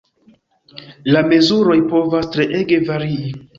La mezuroj povas treege varii.